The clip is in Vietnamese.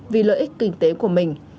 vì lợi ích kinh tế của mình